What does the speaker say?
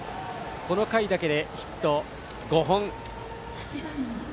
この回だけでヒット５本。